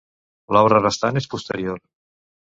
L'obra restant és posterior.